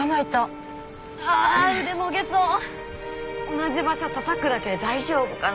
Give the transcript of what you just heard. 同じ場所たたくだけで大丈夫かな？